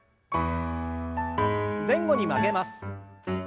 前後に曲げます。